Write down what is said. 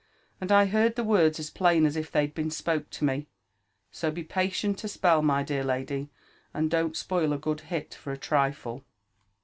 And I heard the words as plain as if they'd been spoke to me. So be patient a spell, my, dear lady, and don't spoil a good hit for a triOe."